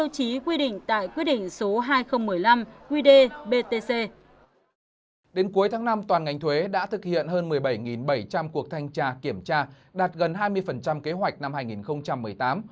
cơ quan thuế đã thực hiện hơn một mươi bảy bảy trăm linh cuộc thanh tra kiểm tra đạt gần hai mươi kế hoạch năm hai nghìn một mươi tám